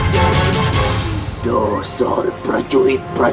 tidak ada apa apa